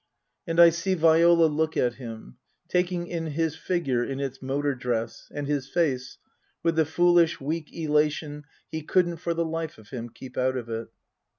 And I see Viola look at him, taking in his figure in its motor dress, and his face, with the foolish, weak elation he couldn't for the life of him keep out of it.